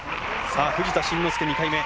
藤田慎之介、２回目。